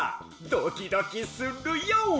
ドキドキするＹＯ！